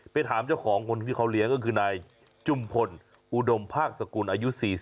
ถามเจ้าของคนที่เขาเลี้ยงก็คือนายจุมพลอุดมภาคสกุลอายุ๔๐